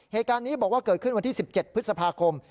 เหตุการณ์นี้บอกว่าเกิดขึ้นวันที่๑๗พฤษภาคม